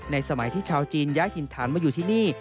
สมัยที่ชาวจีนย้ายถิ่นฐานมาอยู่ที่นี่